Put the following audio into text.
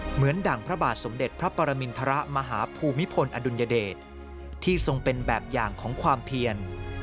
ดั่งพระบาทสมเด็จพระปรมินทรมาหาภูมิพลอดุลยเดชที่ทรงเป็นแบบอย่างของความเพียร